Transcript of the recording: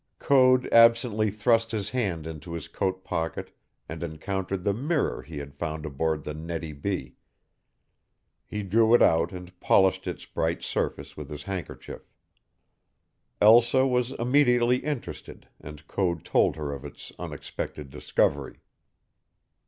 Code absently thrust his hand into his coat pocket and encountered the mirror he had found aboard the Nettie B. He drew it out and polished its bright surface with his handkerchief. Elsa was immediately interested and Code told her of its unexpected discovery.